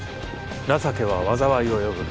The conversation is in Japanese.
情けは災いを呼ぶ。